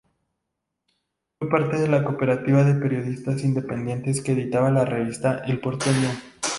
Fue parte de la Cooperativa de Periodistas Independientes que editaba la revista "El Porteño".